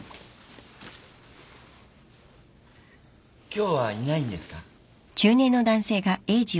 今日はいないんですか？